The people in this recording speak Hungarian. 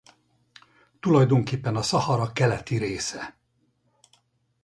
Tulajdonképpen a Szahara keleti része.